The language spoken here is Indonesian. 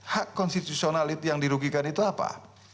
hak konstitusional yang dirugikan itu apa